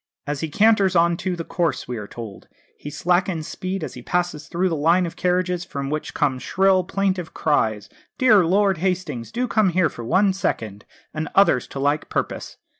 "As he canters on to the course," we are told, "he slackens speed as he passes through the line of carriages, from which come shrill, plaintive cries, 'Dear Lord Hastings, do come here for one second,' and others to like purpose.